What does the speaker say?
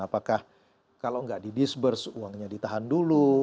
apakah kalau gak di disperse uangnya ditahan dulu